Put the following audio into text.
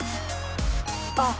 あっ！